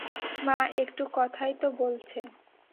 মা, একটু কথাই তো বলছে।